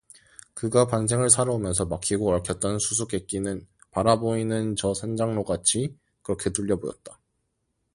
그가 반생을 살아오면서 막히고 얽혔던 수수께끼는 바라보이는 저 신작로같이 그렇게 뚫려 보였다.